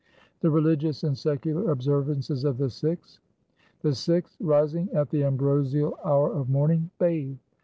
2 The religious and secular observances of the Sikhs :— The Sikhs rising at the ambrosial hour of morning 3 bathe.